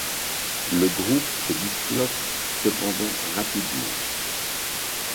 Le groupe se disloque cependant rapidement.